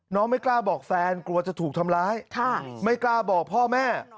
ไม่กล้าบอกแฟนกลัวจะถูกทำร้ายไม่กล้าบอกพ่อแม่